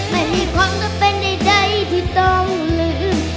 ไม่เห็นความก็เป็นใดที่ต้องลืม